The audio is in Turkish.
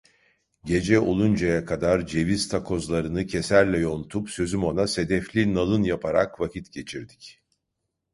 Gece oluncaya kadar ceviz takozlarını keserle yontup sözümona sedefli nalın yaparak vakit geçirdik.